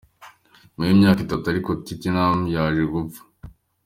Nyuma y’imyaka itatu ariko Tinkham yaje gupfa.